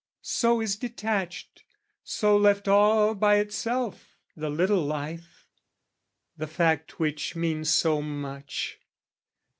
So is detached, so left all by itself The little life, the fact which means so much.